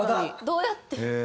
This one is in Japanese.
どうやって。